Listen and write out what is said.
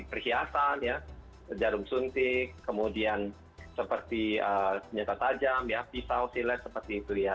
perhiasan jarum suntik kemudian seperti senjata tajam ya pisau silet seperti itu ya